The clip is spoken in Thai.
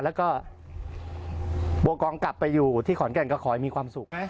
แล้วก็บัวกองกลับไปอยู่ที่ขอนแก่นก็ขอให้มีความสุข